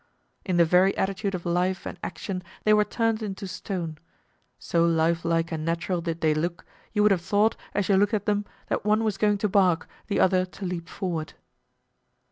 In the very attitude of life and action they were turned into stone. So lifelike and natural did they look, you would have thought, as you looked at them, that one was going to bark, the other to leap forward.